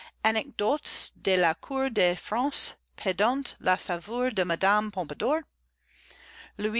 Anecdotes de la Cour de France pendant la Faveur de Madame Pompadour; Louis XV.